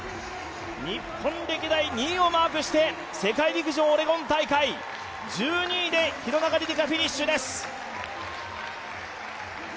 日本歴代２位をマークして、世界陸上オレゴン大会、１２位で廣中璃梨佳、フィニッシュです。